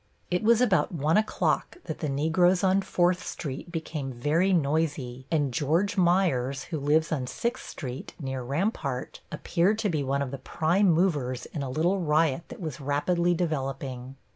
It was about 1 o'clock that the Negroes on Fourth Street became very noisy, and George Meyers, who lives on Sixth Street, near Rampart, appeared to be one of the prime movers in a little riot that was rapidly developing.